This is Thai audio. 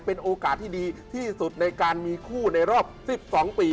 เป็นโอกาสที่ดีที่สุดในการมีคู่ในรอบ๑๒ปี